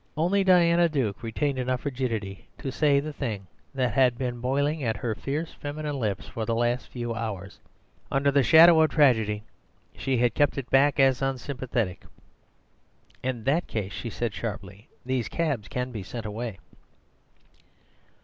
Only Diana Duke retained enough rigidity to say the thing that had been boiling at her fierce feminine lips for the last few hours. Under the shadow of tragedy she had kept it back as unsympathetic. "In that case," she said sharply, "these cabs can be sent away."